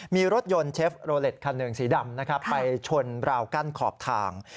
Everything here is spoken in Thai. มีรถยนต์เชฟโรเล็ตคันหนึ่งสีดำนะครับไปชนราวกั้นขอบทาง